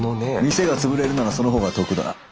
店が潰れるならその方が得だ。